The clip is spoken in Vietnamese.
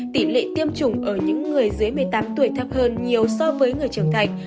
tỷ lệ tiêm chủng ở những người dưới một mươi tám tuổi thấp hơn nhiều so với người trưởng thành